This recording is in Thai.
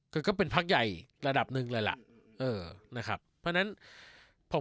คือก็เป็นพักใหญ่ระดับหนึ่งเลยล่ะเออนะครับเพราะฉะนั้นพอ